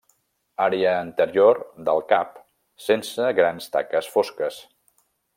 Àrea anterior del cap sense grans taques fosques.